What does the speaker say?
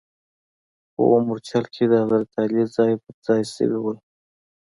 په اووم مورچل کې د حضرت علي ځاې پر ځا ې شوي ول.